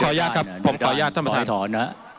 ผมขออนุญาตครับผมขออนุญาตท่านประชาชนิดเดิน